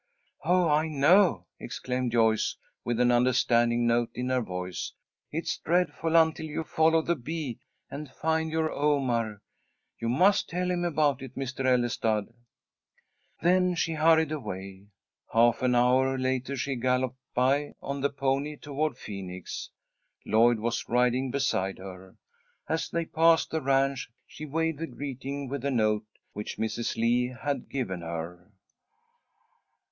"Oh, I know!" exclaimed Joyce, with an understanding note in her voice. "It's dreadful until you follow the bee, and find your Omar. You must tell him about it, Mr. Ellestad." Then she hurried away. Half an hour later she galloped by on the pony, toward Phoenix. Lloyd was riding beside her. As they passed the ranch she waved a greeting with the note which Mrs. Lee had given her.